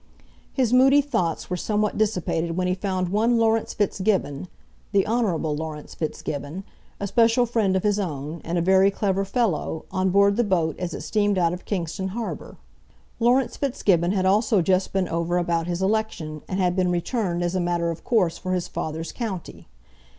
His moody thoughts were somewhat dissipated when he found one Laurence Fitzgibbon, the Honourable Laurence Fitzgibbon, a special friend of his own, and a very clever fellow, on board the boat as it steamed out of Kingston harbour. Laurence Fitzgibbon had also just been over about his election, and had been returned as a matter of course for his father's county.